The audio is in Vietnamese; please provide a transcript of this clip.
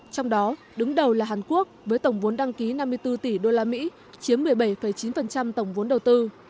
trong đó đứng đầu là hàn quốc với tổng vốn đăng ký năm mươi bốn tỷ đô la mỹ chiếm một mươi bảy chín tổng vốn đầu tư